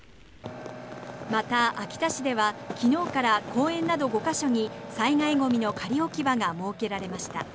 また、秋田市では昨日から公園など５か所に災害ゴミの仮置き場が設けられました。